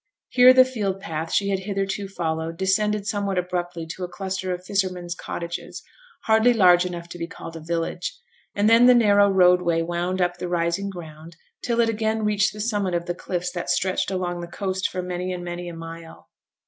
Here the field path she had hitherto followed descended somewhat abruptly to a cluster of fishermen's cottages, hardly large enough to be called a village; and then the narrow roadway wound up the rising ground till it again reached the summit of the cliffs that stretched along the coast for many and many a mile.